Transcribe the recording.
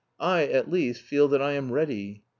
I, at least, feel that I am ready.